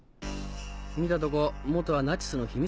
見たとこ元はナチスの秘密